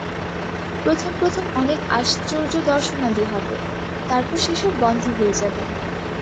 প্রথম প্রথম অনেক আশ্চর্য দর্শনাদি হবে, তারপর সে-সব বন্ধ হয়ে যাবে।